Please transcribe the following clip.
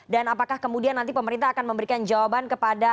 dan apakah kemudian nanti pemerintah akan memberikan jawaban kepada